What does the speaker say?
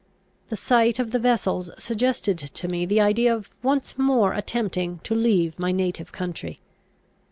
The sight of the vessels suggested to me the idea of once more attempting to leave my native country.